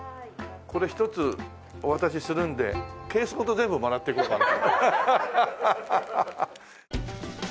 これ一つお渡しするんでケースごと全部もらっていこうかな。